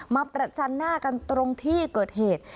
มาประชันหน้ากันตรงที่เกิดเหตุ